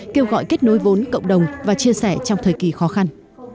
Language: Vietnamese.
kêu gọi kết nối vốn cộng đồng và chia sẻ trong thời kỳ khó khăn